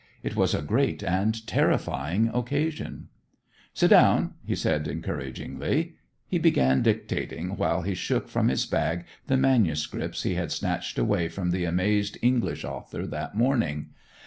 It was a great and terrifying occasion. "Sit down," he said encouragingly. He began dictating while he shook from his bag the manuscripts he had snatched away from the amazed English author that morning.